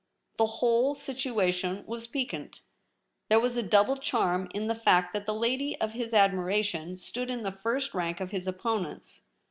The whole situation was piquant. There was a double charm in the fact that the lady of his admira tion stood in the first rank of his opponents.